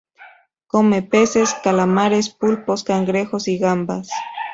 Come peces, calamares, pulpos, cangrejos y gambas.